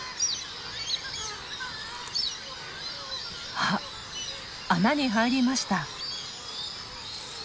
あっ穴に入りました！